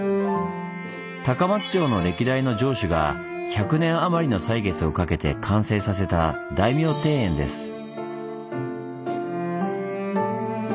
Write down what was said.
高松城の歴代の城主が１００年余りの歳月をかけて完成させた大名庭園です。